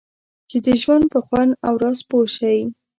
چې د ژوند په خوند او راز پوه شئ.